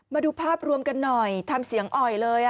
มาดูภาพรวมกันหน่อยทำเสียงอ่อยเลย